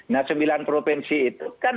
nah sembilan provinsi itu kan